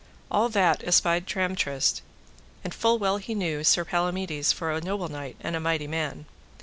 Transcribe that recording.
All that espied Tramtrist, and full well knew he Sir Palamides for a noble knight and a mighty man.